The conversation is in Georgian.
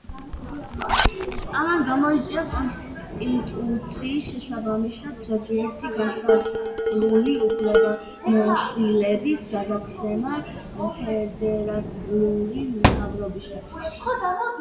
ამან გამოიწვია კონსტიტუციის შესაბამისად ზოგიერთი განსაზღვრული უფლებამოსილების გადაცემა ფედერალური მთავრობისათვის.